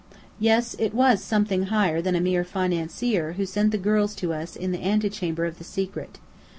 Yes, it was Something higher than a mere financier who sent the girls to us in the antechamber of the secret.